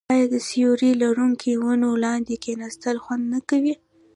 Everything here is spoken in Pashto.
آیا د سیوري لرونکو ونو لاندې کیناستل خوند نه کوي؟